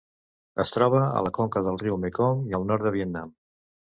Es troba a la conca del riu Mekong i al nord de Vietnam.